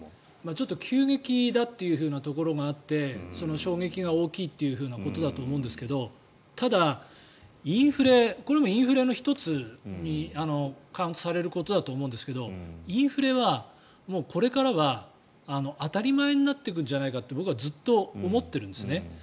ちょっと急激だというところがあって衝撃が大きいというふうなことだと思うんですけどただ、インフレこれもインフレの１つにカウントされることだと思うんですけどインフレはこれからは当たり前になっていくんじゃないかって僕はずっと思ってるんですね。